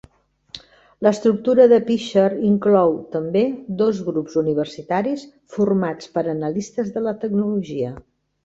L'estructura de Pixar inclou, també, dos grups universitaris formats per analistes de la tecnologia.